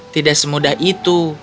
tidak semudah itu